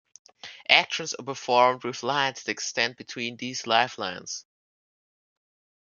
Actions are performed with lines that extend between these lifelines.